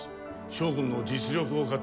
翔君の実力を買って